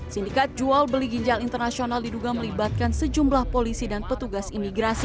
sindikat jual beli ginjal internasional diduga melibatkan sejumlah polisi dan petugas imigrasi